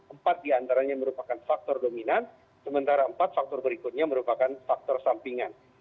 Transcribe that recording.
empat diantaranya merupakan faktor dominan sementara empat faktor berikutnya merupakan faktor sampingan